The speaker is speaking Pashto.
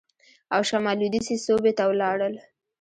او شمال لوېدیځې صوبې ته ولاړل.